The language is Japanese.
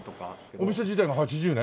お店自体が８０年？